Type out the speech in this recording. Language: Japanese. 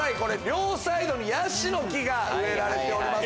両サイドにヤシの木が植えられております。